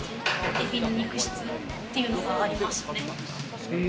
えびの肉質っていうのがありますね。